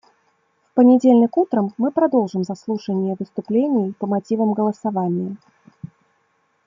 В понедельник утром мы продолжим заслушание выступлений по мотивам голосования.